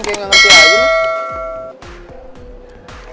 kayaknya gak ngerti lagi nih